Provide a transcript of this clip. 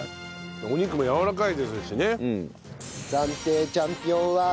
お肉もやわらかいですしね。